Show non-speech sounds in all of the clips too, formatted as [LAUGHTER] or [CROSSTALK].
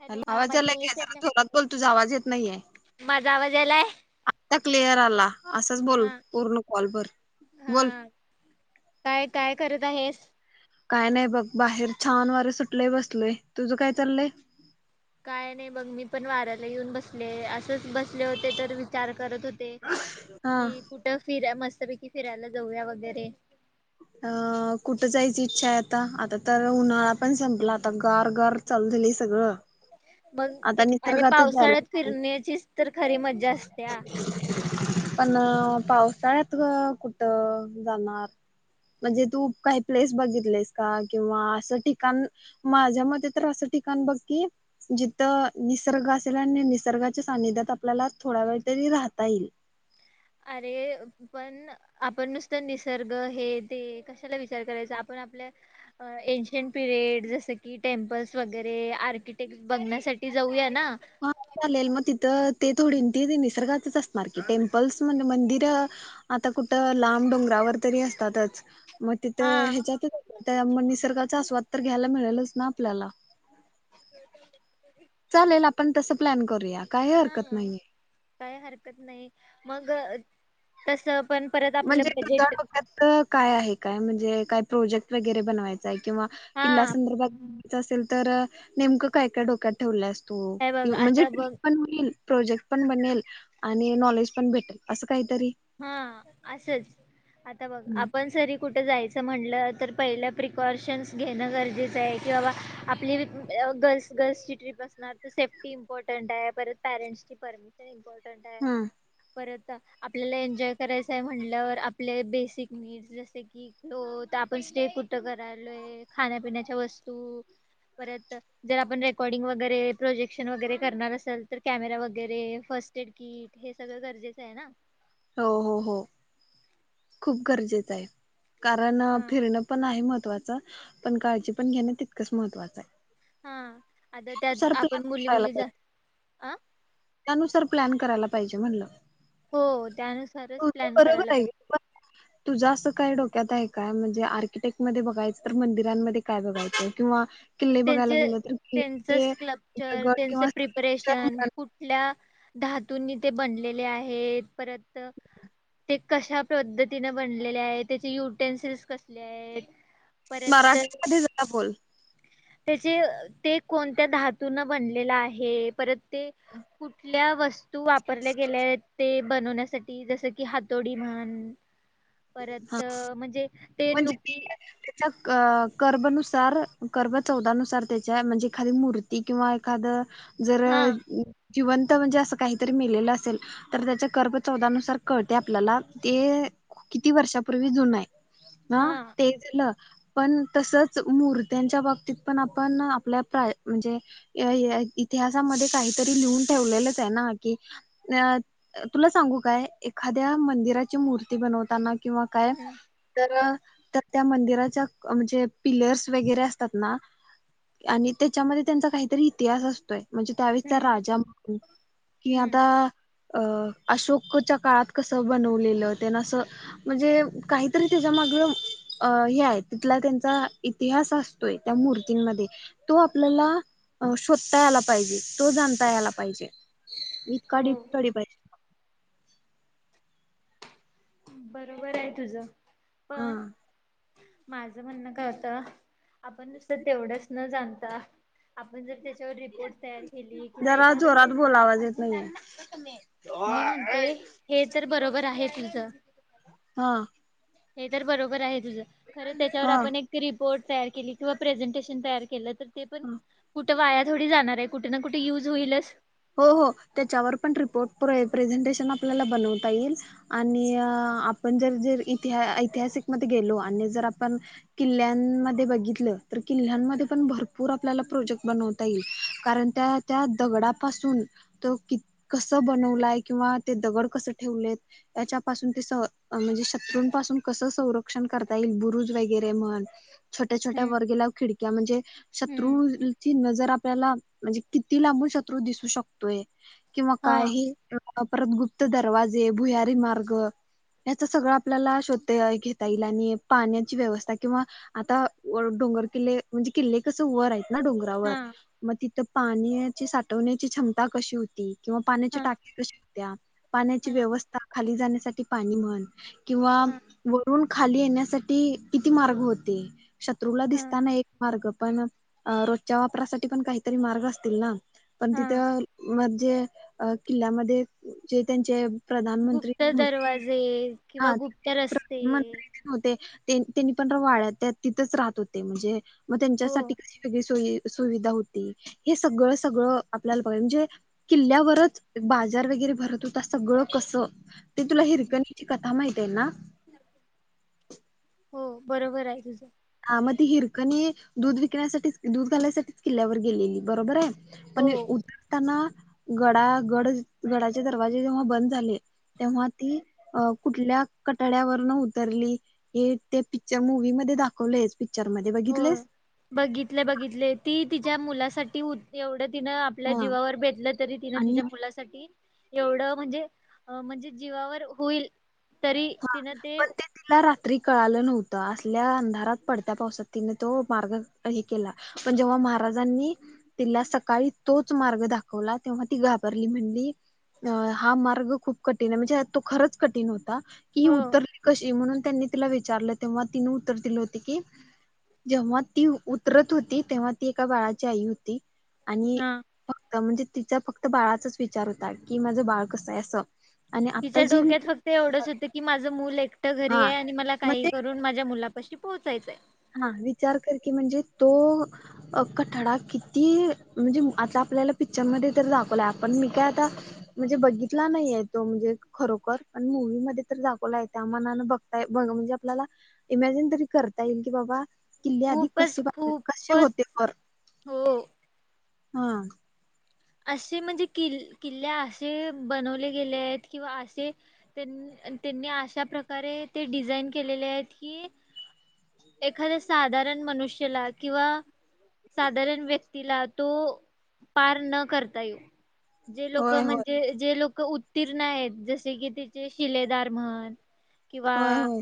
Hello हा माझी आवाजालाय का वॉइस आहेरा यायला थोला त बोल तुझा आवाज येत नाहीये माझा आवाज यालाय आता क्लिअर आला असंच बोल हा पूर्ण कॉल भर बोल हा काय काय करत आहेस काय नाही बघ बाहेर छान वारे सुटलं बसलोय तुझं काय चाललंय काय नाही बघ मी पण वाऱ्याला येऊन बसले अस बसले होते तर विचार करत होते हा. की कुठ फिर मस्त त्यापैकी फिरायला जाऊया वगैरे. अ कुठं जायची इच्छा आहे आता आता तर उन्हाळा पण संपला आता गार गार चाललेलं सगळं. मग आता अरे निसर्गातच जायला पावसाळ्यात लागतंय. फिरण्याचीच तर खरी मज्जा असत्या. पण पावसाळ्यात ग कुठं जाणार. म्हणजे तू काही प्लेस बघितलेस का किंवा असं ठिकाण माझ्या मते तर असं ठिकाण बघ कि जिथ निसर्ग असेल आणि निसर्गाच्या सान्निध्यात आपल्याला थोडा वेळ तरी राहता येईल. अरे पण आपण नुसत निसर्ग हे ते कशाला विचार करायचा आपण आपल्या एनशयंट पिरियड जस की टेम्पल्स वगैरे आर्किटेक्ट बघण्यासाठी जाऊया. ना हा चालेल मग तिथं ते थोडी त निसर्गाचच असणार की टेम्पल्स म्हणजे मंदिर आता कुठं लांब डोंगरावर तरी असतातच. मग हा तिथं ह्याच्यात निसर्गाचा आस्वाद तर घ्यायला मिळेलच. ना आपल्याला. [UNINTELLIGIBLE] चालेल आपण तसं प्लॅन करूया काही हरकत हा नाहीये. काय हरकत नाही मग तस पण परत म्हणजे आपलं बजेट डोक्यात काय आहे काय म्हणजे काय प्रोजेक्ट वगैरे बवायचां हाय? किंवा हा किल्ल्या संदर्भात असेल तर नेमकं काय, काय डोक्यात ठेवल्यास? तु हे कि बघ म्हणजे आता बघ पण मी प्रोजेक्ट पण बनेल आणि नॉलेज पण भेटेल अस हा असंच. आता बघ हम्म आपण सरी कुठं जायचं? असं म्हटलं तर पहिलं प्रिकॉशन्स घेणं गरजेचं आहे. की बाबा आपली गर्ल्स गर्ल्सची ट्रीप असणार, तर सेफ्टी इम्पॉर्टंट आहे, परत पॅरेंट्सची परमिशन इम्पॉर्टं हम्म. ता आप आपल्याला एन्जॉय करायचं आहे म्हटलंवर आपले बेसिक नीड्स जसे की, आपण स्टे कुठं करायलोय. खाण्यापिण्याच्या वस्तू, परत जर आपण रेकॉर्डिंग वगैरे प्रोजेक्शन वगैरे करणार असेल, तर कॅमेरा वगैरे फर्स्ट एड किट हे सगळं गरजेचं आहे ना. हो, हो, हो खूप गरजेचं आहे. कारण हा फिरणं पण आहे म महत्वाच, पण काळजी पण घेणं तितकंच महत्त्वाचं आहे. हा आता त्यात त्यानुसार प्लॅन आपण मुली करायला मुली जा पाहिजे आ त्यानुसार प्लॅन करायला पाहिजे म्हटलं. हो त्यानुसारच प्लॅन करायला पाहिजे. त्यात आहे काय म्हणजे आर्किटेक्टमध्ये बघायचं तर मंदिरांमध्ये काय बघायचं किंवा किल्ले बघायला त्यांचे गेलं तर त्यांच किल्ल्यांचे सक्लपचर दगड त्यांच किंवा प्रिपरेशन कुठल्या धातूंनी ते बनलेले आहेत, परत ते कशा पद्धतीने बनलेले आहेत, त्याचे युटेन्सिल्स कसले आहेत. परत मराठीमध्ये जरा बोल. त्याचे ते कोणत्या धातून बनलेला आहे, परत ते कुठल्या वस्तू वापरल्या गेल्या आहेत ते बनवण्यासाठी. जस कि हातोडी म्हण हा परत म्हणजे ते नुकी अ कर्बनुसार कर्ब चौदानुसार त्याच्या म्हणजे एखादी मूर्ती किंवा एखादं जर हा जिवंत म्हणजे असं काहीतरी मेलेल असेल, तर त्याच्या कर्ब चौदानुसार कळते आपल्याला. ते किती वर्षापूर्वी जुनं आहे. हा ते झालं. पण तसच मूर्त्यांच्या बाबतीत पण आपण आपल्या प्राय म्हणजे इतिहासामध्ये काहीतरी लिहून ठेवलेलंच आहे ना, की अ तुला सांगू काय एखाद्या मंदिराची मूर् ती बनवताना किंवा काय हम्म तर त्या मंदिराच्या म्हणजे पिलर्स वगैरे असतात ना आणि त्याच्यामध्ये त्यांचा काहीतरी इतिहास असतोय. म्हणजे त्यावेळेसचा हम्म राजा म्हणून कि हम्म आता अ अशोकच्या काळात कस बनवलेलं ना असं म्हणजे काहीतरी त्याच्या माग अ हे आहे तेन म्हणजे काहीतरी तेच्या माग हे हाय तिथला त्यांचा इतिहास असतोय त्या मूर्तींमध्ये तो आपल्याला शोधता यायला पाहिजे तो जाणता यायला पाहिजे इक हो तो डी बेस बरोबर आहे तुझ हा माझ म्हणणं काय होत आपण नुसतं तेवढंच न जाणता आपण जर त्याच्यावर रिपोर्ट तयार केली किंवा जरा एखाद जोरात प्रेझन बोला आवाज येत नाहीये मी म्हणते हे तर बरोबर बर आहे तुमचं हा हे तर बरोबर आहे खर त्याच्यावर हा आपण एक रिपोर्ट तयार केली किंवा प्रेझेंटेशन तयार केलं केलं तर ते पण हा कुठं तर वाया थोडी जाणार आहे, कुठे ना कुठे युज होईलच हो हो त्याच्यावर पण रिपोर्ट े प्रेझेंटेशन आपल्याला बनवता येईल आणि आपण जर जर इति ऐतिहासिकमध्येध्ये गेलो आणि जर आपण किल्ल्यांमध्ये बघितलं तर किल्ल्यांमध्ये पण भरपूर आपल्याला प्रोजेक्ट बनवता येईल कारण त्या त्या दगडा पासून तो कस बनलाय किंवा ते दगड कस ठेवलेत याच्या पासून ते म्हणजे शत्रूंपासून कस संरक्षण करता येईल बुरुज वगैरे म्हण छोट्या छोट्या हम्म वर गेल्यावर खिड त्या म्हणजे हम्म शत्रूची नजर आप क ला म्हणजे किती लांबू शकत.. दिसू शकतोय किंवा हा काही [INAUDIBLE] परतगुप्त दरवाजे भुयारी मार्ग याचं सगळं आपल्याला शोता घेता येईल आणि पाण्याची व्यवस्था किंवा आता डोंगर किल्ले म्हणजे किल्ले कसं वर आहेत ना डोंगरावर हा मग ति तर पाण्याची [INAUDIBLE] हटवण्याची क्षमता कशी होती किंवा पाण्याच्या हा टाकि कशी - त्या पाण्याची हा व्यवस्था खाली जाण्यासाठी पाणी म्हण किंवा हा वरून खाली येण्यासाठी किती मार्ग होते शत्रूला हा दिसताना एक मार्ग पण रोजच्या वापरासाठी पण काहीतरी मार्ग असतील ना.. पण हा तिथं म- जे अ किल्ल्यामध्ये जे अ त्यांचे- प्रधानमंत्री गुप्त होते दरवाजे.. किंवा हा गुप्त रस्ते.. त्या-त्यांनी पण वाड्या त्या-आ तिथंच राहत होते म्हणजे. मग हो त्यांच्यासाठी कशी वेगळी सोयी येईल. सुविधा होती हे सगळं... सगळं... आपल्याला बघ म्हणजे किल्ल्यावरच बाजार वगैरे भरत होता... सगळं कसं. ते तुला हिरकणीची कथा - माहितीय ना. हो बरोबर आहे तुझं. हा मग ती हिरकणी दूध विकण्यासाठीच दूध घालायसाठीच किल्ल्यावर गेलेली बरोबर हायं. पण अ हो उदरताना... गाडा गड गडाचे दरवाजे जेव्हा बंद झाले तेव्हा ती कुठल्या कटड्यावरन उतरली हे ते पिक्चर मुव म दाख कॉलेज हो बघितले बघितले ती तिच्या मुला साठी होते एवढे तिनं आपल्या हा जीवावर बेतलं तरी तिनं आणि तिच्या मुलासाठी- एवढं म्हणजे अ म्हणजे जीवावर होईल.. तरी हा तिनं पण ते तिला रात्री कळालं नव्हतं असल्या अंधारात पडत्या पावसात तिने तो मार्ग ही केला पण जेव्हा महाराजांनी तिला सकाळी तोच मार्ग दाखवला तेव्हा ती घाबरली म्हणली अ हा मार्ग खूप कठीण आहे म्हणजे तो खरंच कठीण होता. की हो उतरली कशी म्हणून.. त्यांनी तिला विचारलं तेव्हा तिन उत्तर दिलं होती की जेव्हा ती उतरत होती तेव्हा ती एका बाळाची आई होती. आणि हा. फक्त म्हणजे तिचा फक्त बाळाचाच विचार होता की माझं बाळ कसं आहे असं.. आणि तिच्या आता जे डोक्यात फक्त एवढंच होत की माझं मूल एक मीत घरी हा आहे आणि मला मग काही करून माझ्या मुला कशी पोहचायचंय हा विचार कर की म्हणजे तो कठडा किती म्हणजे आता आपल्याला पिकच्चरमध्ये तर दाखवलाय आपण मी काय आता म्हणजे बघितला नाहीय तो म्हणजे खरोखर पण मूवी् मध्ये तर दाखवलाय त्या मानान बघता म्हणजे आपल्याला इमॅजिन तरी करता येईल के बाबा किल्ले आधी खूपच कसे कसे खूपच होते पर हो. हा असे म्हणजे किल् किल्ले असे बनवले गेले आहेत किंवा असे त्यांनी अशा प्रकारे ते डिझाईन केलेले आहेत कि एखाद्या साधारण मनुष्यला किंवा साधारण व्यक्तीला तो पार न करता येवु जे लोक होय होय म्हणजे जे लोक उत्तीर्ण आहेत जसे की तिचे शिलेदार म्हण किंवा होय होय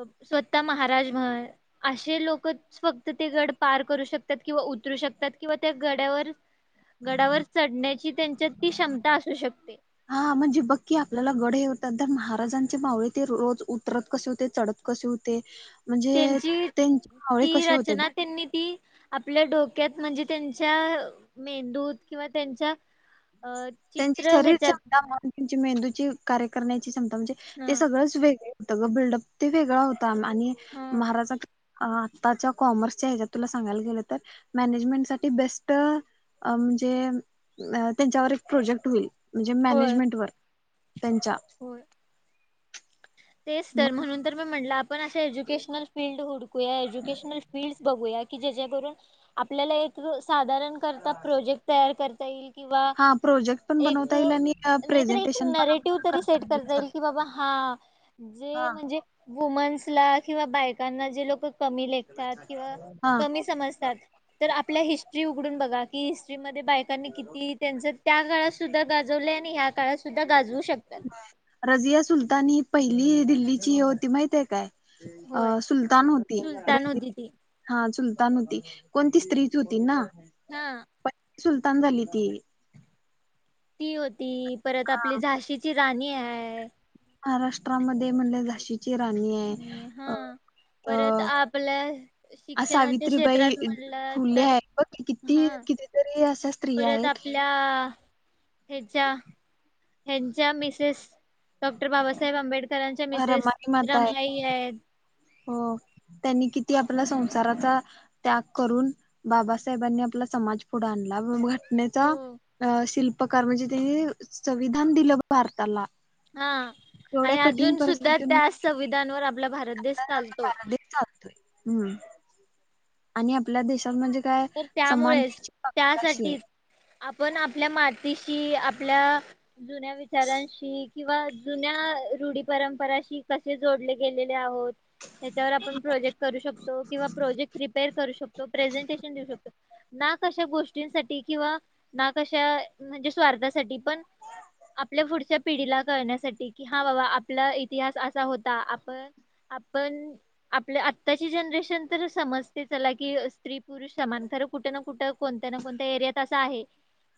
अप स्वतः महाराज म्हण असे लोकच फक्त ते गड पार करू शकतात किंवा उतरू शकतात किंवा त्या गड्यावर गडावर चढण्याची त्यांच्यात ती क्षमता असू शकते त्यात त्या महाराजांचे मावळे ते रोज उतरत कसे होते चढत कसे होते म्हणजे त्यांची त्यांचे मावळे ती कशे होते? रचना बघ त्यांनी ती आपल्या डोक्यात म्हणजे त्यांच्या मेंदूत किंवा त्यांच्या अ त्यांचे चित्र शरीर ह्याच्यात [UNINTELLIGIBLE] म्हणजे मेंदूची कार्य करण्याची तमतम जे हा ते सगळंच वेगळे त ग बिल्डअप ते वेगळा अ काम आणि हा महाराजा अ आताच्या कॉमर्सच्या ह्याच्यात तुला सांगायच गेलं तर, मॅनेजमेंट साठी बेस्ट अ म्हणजे अ त्यांच्यावर प्रोजेक्ट होईल. म्हणजे होय मॅनेजमेंट वर पंजाब. होय [INAUDIBLE] तेच तर म्हणून तर मी म्हटलं आप पण अश्या एज्युकेशनल फील्ड हुडक कुया एज्युकेशनल फील्डस बघूया कि जे जे करून आपल्याला एक रुल्स साधारण करता प्रोजेक्ट तयार करता येईल किंवा हा प्रोजेक्ट पण एक बनवता येईल आणि नाहीतर एक प्रेझेंटेशन पण नरेटिव्ह आपल्याला तरी सेट करता असं. येईल, कि बाबा हा जे हा म्हणजे वुमन्सला किंवा बायकांना जे लोकं कमी लेखतात किंवा हा कमी समजतात तर, आपल्या हिस्ट्री उघडून बघा. कि हिट्री मध की बायकांनी किती त्यांच त्या काळात सुद्धा गाजवलंय आणि ह्या काळात सुद्धा गाजवू शकतात रजिया सुलतानी पहिली दिल्लीची होती माहितये काय? अ होय सुलतान होती र सुलतान होती ती हा सुल [UNINTELLIGIBLE] होती पण ती स्त्रीच होती ना? हा. पहिली सुलतान झाली ती. ती होत ती परत हा आपली झाशीची राणी हाय महाराष्ट्रामध्ये म्हणले झाशी ची राणी आहे आणि हा अ परत आपल्या अ शिक्षणाच्या सावित्रीबाई क्षेत्रात म्हणलं फुले तर आहे बघ की, हा किती कितीतरी असं परत आपल्या हेंच्या हेंच्या मिसेस डॉक्टर बाबासाहेब आंबेड रमाई माता आहे हो त्यांनी किती ती आपल्या संसाराचा त्याग करून बाबासाहेबांनी आपला समाज पुढं आणला हो ण्याचा शिल उपकार म्हणजे त संविधान दिलं भारताला. हा अ एवढ्या कठीण अजून सुद्धा परिस्थितीतून त्या संविधानवर आपला भारत देश चालतो. भारत देश चालतोय हम्म आणि आपल्या देशात म्हणजे काय तर त्यामुळेच समानतेची बाब अशी आहे. त्यासाठीच आपण आपल्या मा तिशी आपल्या जुन्या विचारांशी किंवा जुन्या रूढी परंपराशी कसे जोडले गेलेले आहोत. त्या आपन प्रोजेक्ट करू शकतो कि प्रोजेक्ट शकतो प्रेझेंट ना कश गोष्टींसाठी किंवा ना कशा म्हणजे स्वार्थासाठी पण आपल्या पुढच्या पिढीला कळण्यासाठी कि हा बाबा आपला इतिहास असा होता आपण आपण आपल्या आताची जनरेशन तर समजते चला कि स्त्री पुरुष समान खर कुठे ना कुठं कोणत्या ना कोणत्या एरियात असा आहे.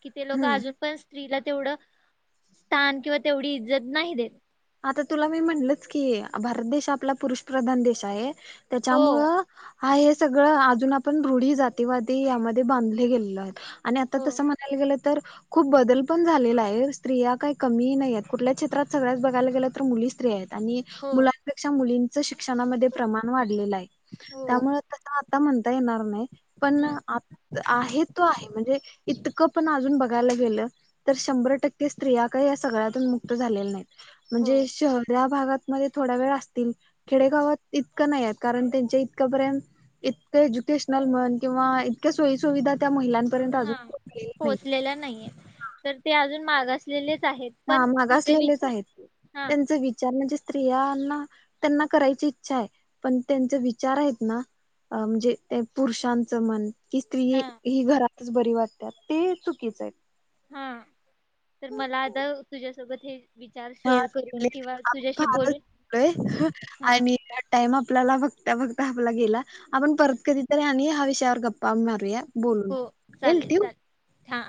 कि ते लोक हम्म अजून पण स्त्रीला तेवढं स्थान किंवा तेवढी इज्जत नाही देत. आता तुला मी म्हटलंच की भारत देशा आपला पुरुषप्रधान देश आहे. हो त्याच्यामुळं हा हे सगळं अजून आपण रूढी जातीवादी यामध्ये बांधले गेलेलो आहेत आणि आता हो तसं म्हणायला गेलं तर खूप बदल पण झालेला आहे स्त्रिया काही कमी नाही कुठल्या क्षेत्रात सगळ्या बघायला गेलं तर मुली स्त्री आहेत. आणि हो मुलांपेक्षा मुलीं शिक्षणामध्ये प्रमाण वाढलेलं आहे. हो त्यामुळ आता म्हणता येणार नाही पण हा आहे तो आहे म्हणजे इतकं पण अजून बघ घाय गेलं तर शंभर टक्के स्त्रिया का सगळ्यातून मुक्त झालेल्या नाहीत हो म्हणजे शहरा गातमध्ये थोड वेळ अस खेडेगावात इतक नाही कारण त्यांच्या इतक पर्यंत इतक एज्युकेशनल म्हण किवा इतक्या सोय सुविधा हा पोहोचलेल्या नाहीये. तर ते अजून मागासलेले हा मागासलेलेच आहेत हा त्यांचा विचार म्हणजे स्त्रियांना त्यांना करायची इच्छा आहे पण त्यांचे विचार आहेत ना म्हणजे ते पुरुषांचं मन की स्त्री हा हि घरा बरी वाटत ते चुकीचं आहेत हा तर मला आता तुझ्यासोबत हे विचार हा शेअर करून किंवा आपण तुझ्याशी बोलून फारचोय हा आणि त्या टाइम आपल्याला बघता बघता आपला गेला आपण परत कधीतरी आण हा विषयावर गप्पा मारूया बोलून हो चालेल ठेवू चालेल हा